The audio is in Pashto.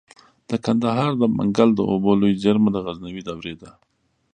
د کندهار د منگل د اوبو لوی زیرمه د غزنوي دورې ده